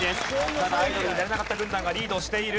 まだアイドルになれなかった軍団がリードしている。